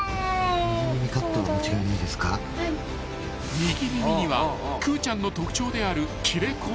［右耳にはくーちゃんの特徴である切れ込み］